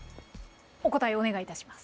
お答えお願いいたします。